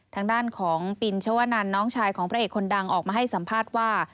ทางด้านของปินชวนันน้องชายของพระเอกคนดังออกมาให้สัมภาษณ์ว่า